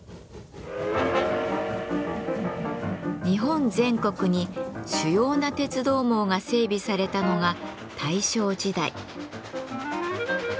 日本全国に主要な鉄道網が整備されたのが大正時代。